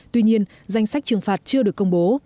tuy nhiên danh sách trừng phạt chưa được công bố